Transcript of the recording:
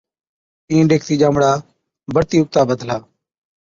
اِين ڏيکتِي ڄامڙا بڙتِي اُگتا بڌلا،